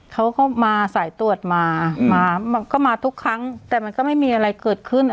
เขาก็มาสายตรวจมามาก็มาทุกครั้งแต่มันก็ไม่มีอะไรเกิดขึ้น